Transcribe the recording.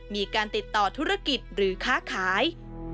มีการติดต่อธุรกิจหรือค้าขาย